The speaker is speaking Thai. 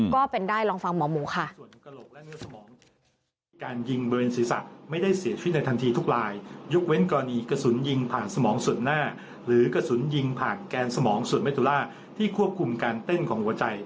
ก็เป็นได้ลองฟังหมอหมูค่ะ